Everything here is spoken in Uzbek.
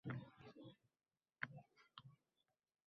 Buni boshqacha aytsa bo'ladimi?